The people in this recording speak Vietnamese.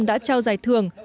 đã trao giải thưởng